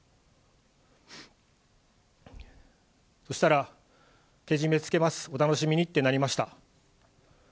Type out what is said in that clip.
そしたら、けじめつけます、お楽しみにってなりました。